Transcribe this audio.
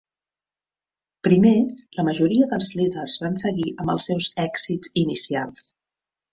Primer, la majoria dels líders van seguir amb els seus èxits inicials.